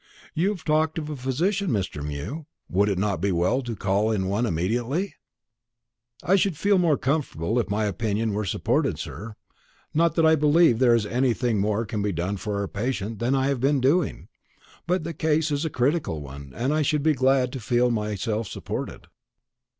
"You have talked of a physician, Mr. Mew; would it not be well to call one in immediately?" "I should feel more comfortable if my opinion were supported, sir: not that I believe there is anything more can be done for our patient than I have been doing; but the case is a critical one, and I should be glad to feel myself supported."